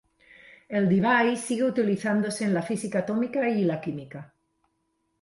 El debye sigue utilizándose en la física atómica y la química.